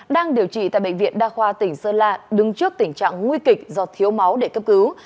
đang điều trị tại bệnh viện đa khoa tỉnh sơn la đứng trước tình trạng nguy kịch do thiếu máu để cấp cứu